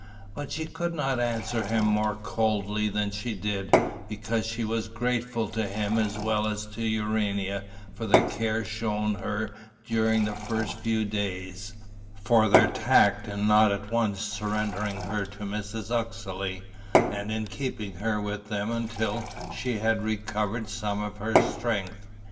But she could not answer him more coldly than she did, because she was grateful to him as well as to Urania for the care shown her during the first few days, for their tact in not at once surrendering her to Mrs. Uxeley and in keeping her with them until she had recovered some of her strength.